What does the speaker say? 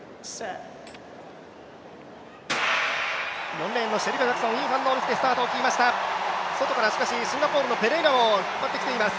４レーンのシェリカ・ジャクソン、いい反応でスタートしました外からシンガポールのペレイラも引っ張ってきています。